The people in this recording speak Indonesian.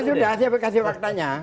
ya sudah saya kasih faktanya